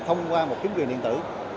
thông qua một chính quyền điện tử